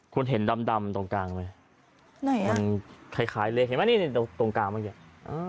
คุณเห็นดำตรงกลางไหมไหนอ่ะมันคล้ายเลขเห็นไหมตรงกลางบ้างเนี่ย